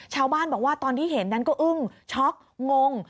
ชาวบ้านบอกว่าตอนที่เห็นนั้นก็อึ้งช็อกงง